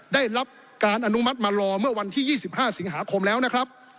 ได้รับการอนุมัติมารอเมื่อวันที่๒๕สิงหาคมแล้วนะครับ